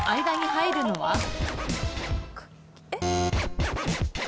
間に入るのは？